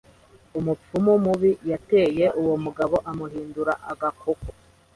Umupfumu mubi yateye uwo mugabo amuhindura agakoko.